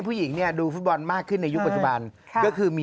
ผู้หญิงเนี่ยดูฟุตบอลมากขึ้นในยุคปัจจุบันก็คือมี